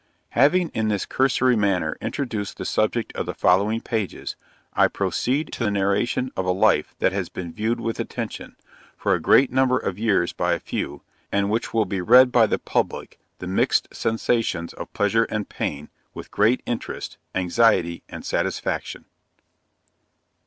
Having in this cursory manner, introduced the subject of the following pages, I proceed to the narration of a life that has been viewed with attention, for a great number of years by a few, and which will be read by the public the mixed sensations of pleasure and pain, and with interest, anxiety and satisfaction.